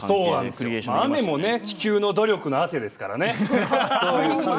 でも雨も地球の努力の汗ですからね。